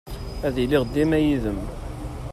Ad iliɣ dima yid-m.